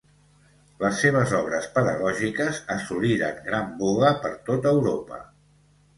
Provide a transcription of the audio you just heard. Les seves obres pedagògiques assoliren gran boga per tot Europa.